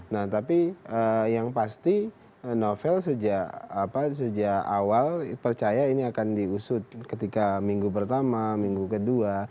nah tapi yang pasti novel sejak awal percaya ini akan diusut ketika minggu pertama minggu kedua